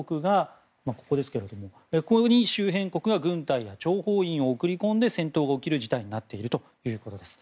ここに周辺国が軍隊や諜報員を送り込んで戦闘が起きる事態になっているということです。